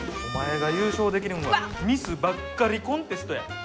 お前が優勝できるんはミスばっかりコンテストや。